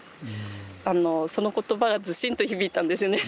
あのその言葉がズシンと響いたんですね。